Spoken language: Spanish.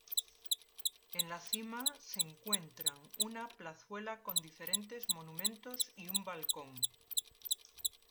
En la cima se encuentran una plazuela con diferentes monumentos y un balcón.